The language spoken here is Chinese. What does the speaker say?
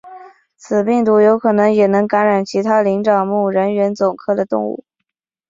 此病毒有可能也能感染其他灵长目人猿总科的动物。